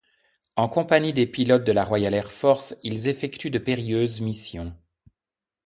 En compagnie des pilotes de la Royal Air Force, ils effectuent de périlleuses missions.